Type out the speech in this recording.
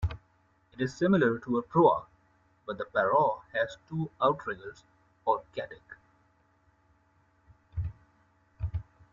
It is similar to a proa, but the paraw has two outriggers or katig.